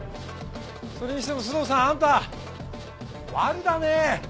それにしても須藤さんあんたワルだねえ。